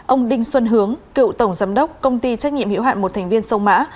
ông đinh xuân hướng cựu tổng giám đốc công ty trách nhiệm hiểu hạn một thành viên sông mã